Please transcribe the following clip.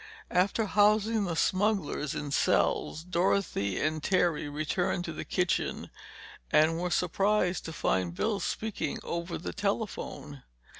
After housing the smugglers in cells, Dorothy and Terry returned to the kitchen and were surprised to find Bill speaking over the telephone.